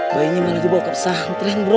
bayinya mana dibawa ke pesantren bro